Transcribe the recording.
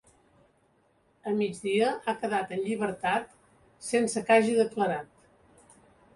A migdia, ha quedat en llibertat sense que hagi declarat.